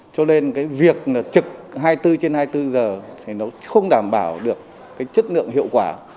cho nên cái việc trực hai mươi bốn trên hai mươi bốn giờ thì nó không đảm bảo được cái chất lượng hiệu quả